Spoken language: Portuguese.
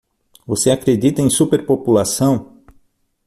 Você acredita em superpopulação?